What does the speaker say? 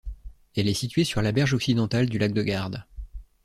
Elle est située sur la berge occidentale du lac de Garde.